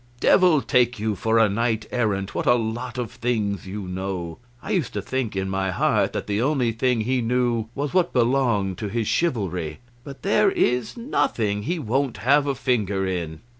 Devil take you for a knight errant, what a lot of things you know! I used to think in my heart that the only thing he knew was what belonged to his chivalry; but there is nothing he won't have a finger in."